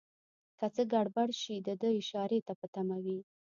که څه ګړبړ شي دده اشارې ته په تمه وي.